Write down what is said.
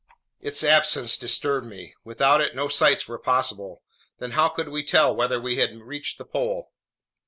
Its absence disturbed me. Without it, no sights were possible. Then how could we tell whether we had reached the pole?